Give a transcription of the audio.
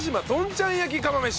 ちゃん焼き釜飯。